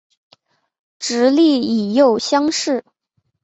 直隶乙酉乡试。